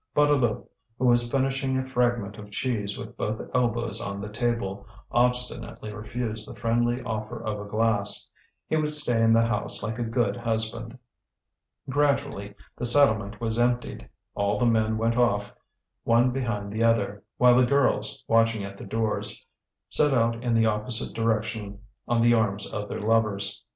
Bouteloup, who was finishing a fragment of cheese with both elbows on the table, obstinately refused the friendly offer of a glass. He would stay in the house like a good husband. Gradually the settlement was emptied; all the men went off one behind the other, while the girls, watching at the doors, set out in the opposite direction on the arms of their lovers.